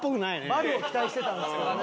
バルを期待してたんですけどね。